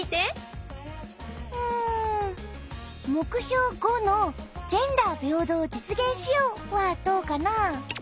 ん目標５の「ジェンダー平等を実現しよう」はどうかな？